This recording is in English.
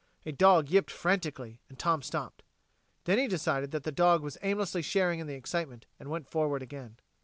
A dog yipped frantically, and Tom stopped; then he decided that the dog was aimlessly sharing in the excitement, and went forward again.